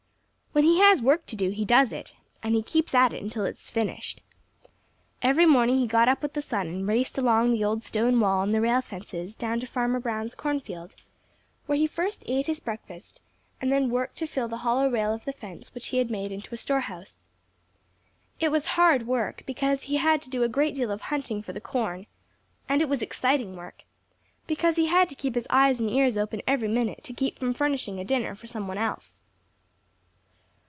When he has work to do, he does it, and he keeps at it until it is finished. Every morning he got up with the sun and raced along the old stone wall and the rail fences down to Farmer Brown's cornfield, where he first ate his breakfast, and then worked to fill the hollow rail of the fence which he had made into a store house. It was hard work, because he had to do a great deal of hunting for the corn; and it was exciting work, because he had to keep his eyes and ears open every minute to keep from furnishing a dinner for some one else.